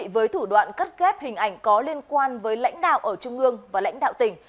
với thủ đoạn cắt ghép hình ảnh có liên quan với lãnh đạo ở trung ương và lãnh đạo tỉnh